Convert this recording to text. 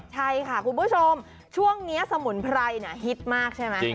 ใช่ค่ะคุณผู้ชมช่วงนี้สมุนไพรฮิตมากใช่ไหม